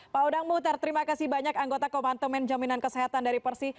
pak odang muhtar terima kasih banyak anggota komantemen jaminan kesehatan dari persi